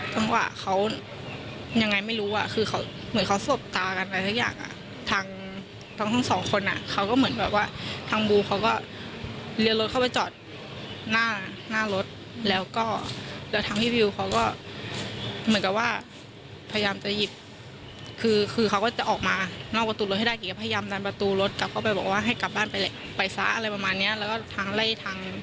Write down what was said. จังหวะเขายังไงไม่รู้อ่ะคือเขาเหมือนเขาสบตากันไปสักอย่างอ่ะทางทั้งสองคนอ่ะเขาก็เหมือนแบบว่าทางบูเขาก็เลี้ยรถเข้าไปจอดหน้าหน้ารถแล้วก็แล้วทางพี่วิวเขาก็เหมือนกับว่าพยายามจะหยิบคือคือเขาก็จะออกมานอกประตูรถให้ได้กิก็พยายามดันประตูรถกลับเข้าไปบอกว่าให้กลับบ้านไปไปซะอะไรประมาณเนี้ยแล้วก็ทางไล่ทาง